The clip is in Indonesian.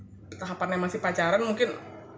kalau misalnya emang tahapannya masih pacaran mungkin